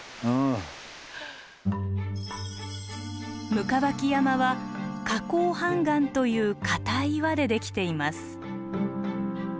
行縢山は花こう斑岩という硬い岩でできています。